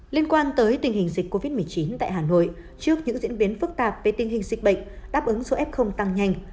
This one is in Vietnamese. liên quan tới tình hình dịch covid một mươi chín tại hà nội trước những diễn biến phức tạp về tình hình dịch bệnh đáp ứng số f tăng nhanh